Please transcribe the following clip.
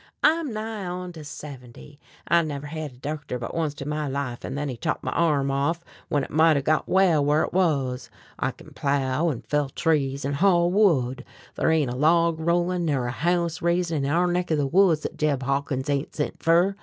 I'm nigh on to seventy. I never hed a doctor but onct in my life, an' then he chopped my arm off when it might hev got well whar it wuz. I kin plow, an' fell trees, an' haul wood. Thar ain't a log rollin' ner a house raisin' in our neck of the woods thet Jeb Hawkins ain't sent fer.